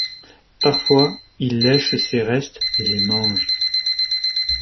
Parfois, il lèche ces restes et les mange.